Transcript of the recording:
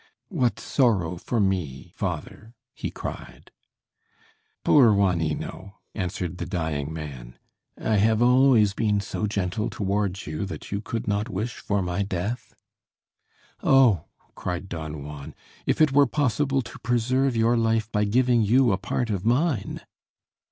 "What, sorrow for me, father!" he cried. "Poor Juanino," answered the dying man, "I have always been so gentle toward you that you could not wish for my death?" "Oh!" cried Don Juan, "if it were possible to preserve your life by giving you a part of mine!"